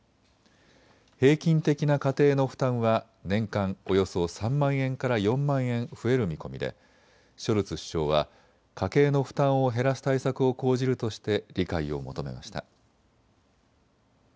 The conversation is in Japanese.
平均的な家庭の負担は年間およそ３万円から４万円増える見込みでショルツ首相は家計の負担を減らす対策を講じるとして理解を求めました。